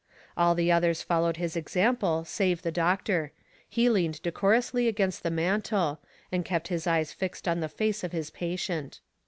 All the others followed his example save the doc tor ; he leaned decorously against the mantel, and kept his eyes fixed on the face of his patient.